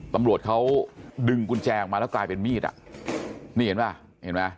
ตำรวจเขาดึงกุญแจออกมาแล้วกลายเป็นมีดอ่ะนี่เห็นป่ะเห็นไหม